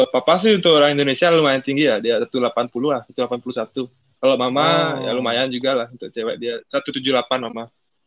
papa sih untuk orang indonesia lumayan tinggi ya dia satu ratus delapan puluh lah itu delapan puluh satu kalau mama ya lumayan juga lah untuk cewek dia satu ratus tujuh puluh delapan mama